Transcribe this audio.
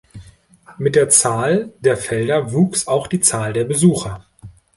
Mit der Zahl der Felder wuchs auch die Zahl der Besucher.